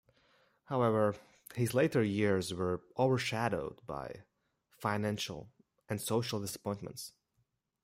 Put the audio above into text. However, his later years were overshadowed by financial and social disappointments.